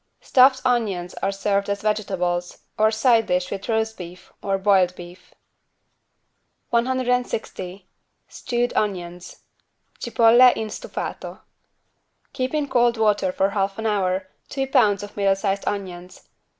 Stuffed onions are served as vegetables, or side dish with roast beef or boiled beef. 160 STEWED ONIONS (Cipolle in stufato) Keep in cold water, for half an hour, two pounds of middle sized onions.